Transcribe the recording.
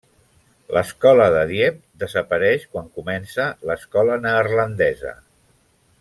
L'escola de Dieppe desapareix quan comença l'escola neerlandesa.